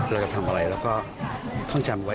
เราจะทำอะไรเราก็ต้องจำไว้